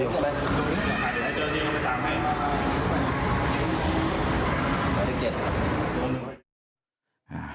อยู่ที่ไหนเดี๋ยวไปตามให้